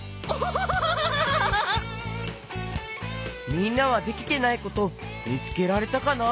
みんなはできてないことみつけられたかな？